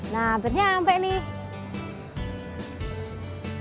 nah hampir nyampe nih